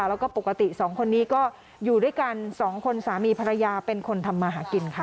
แล้วก็ปกติสองคนนี้ก็อยู่ด้วยกันสองคนสามีภรรยาเป็นคนทำมาหากินค่ะ